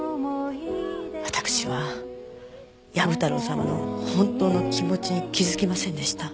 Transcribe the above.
わたくしはヤブ太郎様の本当の気持ちに気づきませんでした。